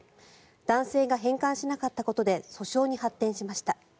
男性が返還しなかったことで訴訟に発展しました。